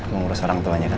mengurus orang tuanya kan